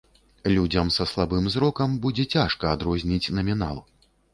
Людзям са слабым зрокам будзе цяжка адрозніць намінал.